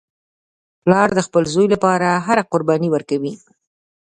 پلار د خپل زوی لپاره هره قرباني ورکوي